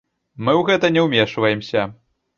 Мы ў гэта не ўмешваемся.